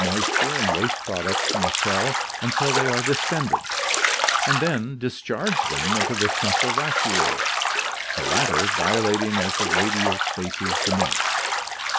24 ORGANIC EVOLUTION moisture and waste products from the cell until they are distended, and then discharge them into the central vacuole, the latter dilating as the radial spaces diminish.